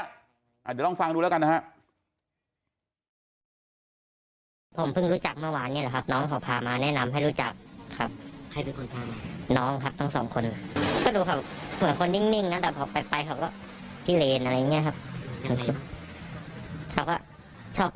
เดี๋ยวลองฟังดูแล้วกันนะครับ